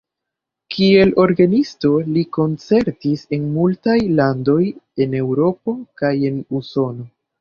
Kiel orgenisto li koncertis en multaj landoj en Eŭropo kaj en Usono.